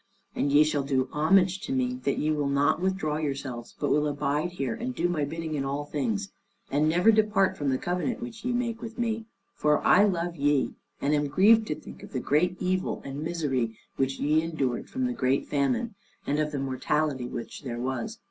And ye shall do homage to me that ye will not withdraw yourselves, but will abide here, and do my bidding in all things, and never depart from the covenant which ye make with me; for I love ye, and am grieved to think of the great evil and misery which ye endured from the great famine, and of the mortality which there was.